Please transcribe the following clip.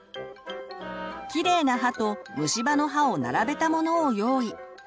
きれいな歯と虫歯の歯を並べたものを用意。